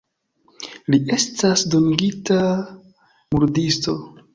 Li estas dungita murdisto.